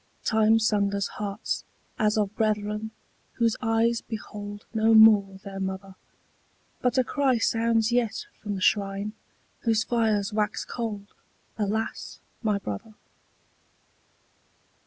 Time sunders hearts as of brethren whose eyes behold No more their mother: But a cry sounds yet from the shrine whose fires wax cold, Alas my brother!